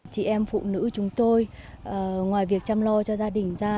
chị em phụ nữ chúng tôi ngoài việc chăm lo cho gia đình ra